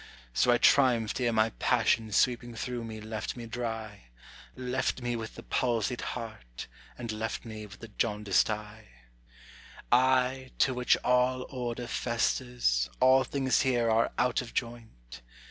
So I triumphed ere my passion sweeping through me left me dry, Left me with a palsied heart, and left me with the jaundiced eye; Eye, to which all order festers, all things here are out of joint.